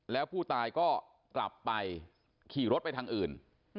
แล้วผู้ตายก็กลับไปขี่รถไปทางอื่น